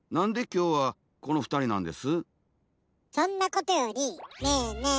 そんなことよりねぇねぇ